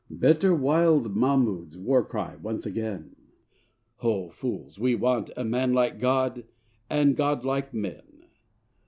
Better wild Mahmoud's war cry once again! O fools, we want a manlike God and Godlike men!